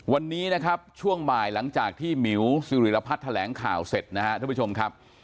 วันนี้นะครับช่วงบ่ายหลังจากที่หมิวสิริรพัฒน์แถลงข่าวเสร็จนะครับท่านผู้ชมครับ